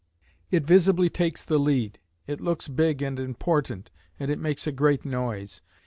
It visibly takes the lead, it looks big and important, and it makes a great noise.